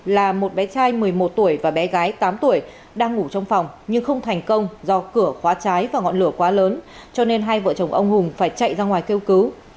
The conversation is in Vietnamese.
là một bé trai một mươi một tuổi và bé gái tám tuổi đang ngủ trong phòng nhưng không thành công do cửa khóa trái và ngọn lửa quá lớn cho nên hai vợ chồng ông hùng phải chạy ra ngoài kêu cứu